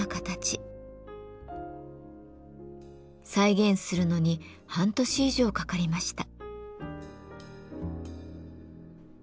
再現するのに半年以上かかりました。